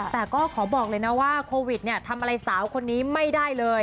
แต่ก็ขอบอกเลยนะว่าโควิดทำอะไรสาวคนนี้ไม่ได้เลย